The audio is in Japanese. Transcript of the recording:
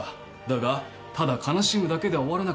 だがただ悲しむだけでは終わらなかった